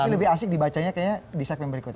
tapi lebih asik di bacanya kayaknya di sahabat berikutnya